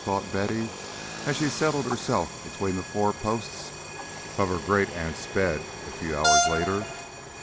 thought Betty, as she settled herself between the four posts of her great aunt's bed, a few hours later.